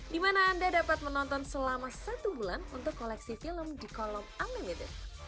di mana anda dapat menonton selama satu bulan untuk koleksi film di kolom unlimited